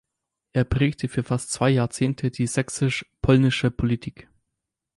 Er prägte für fast zwei Jahrzehnte die sächsisch-polnische Politik.